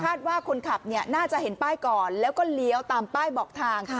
ว่าคนขับน่าจะเห็นป้ายก่อนแล้วก็เลี้ยวตามป้ายบอกทาง